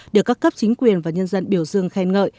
được các cấp chính quyền và nhân dân biểu dương khen ngợi